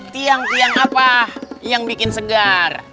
tiang tiang apa yang bikin segar